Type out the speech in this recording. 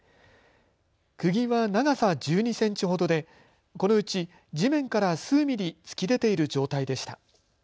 くぎは長さ１２センチほどでこのうち地面から数ミリ突き出ている状態でした。